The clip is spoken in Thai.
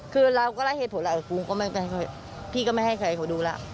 คือเราก็ได้เหตุผลแล้วพี่ก็ไม่ให้ใครเขาดูแล้ว